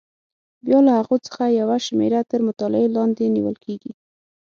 بیا له هغو څخه یوه شمېره تر مطالعې لاندې نیول کېږي.